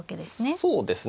そうですね。